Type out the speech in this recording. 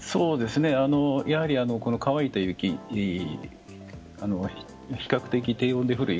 乾いた雪比較的、低温で降る雪